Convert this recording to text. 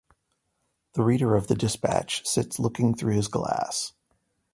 The reader of the dispatch sits looking through his glass.